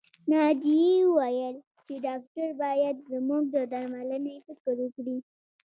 ناجيې وويل چې ډاکټر بايد زموږ د درملنې فکر وکړي